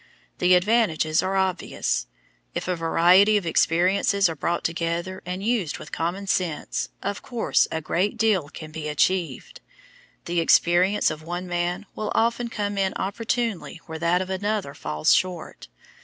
The advantages are obvious. If a variety of experiences are brought together and used with common sense, of course a great deal can be achieved. The experience of one man will often come in opportunely where that of another falls short.